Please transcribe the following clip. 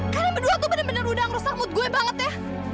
karena berdua tuh bener bener udah ngerusak mood gue banget ya